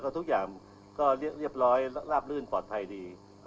ทุกอย่างก็เรียบร้อยลาบลื่นปลอดภัยดี